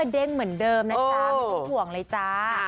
เด้งเหมือนเดิมนะจ๊ะไม่ต้องห่วงเลยจ้า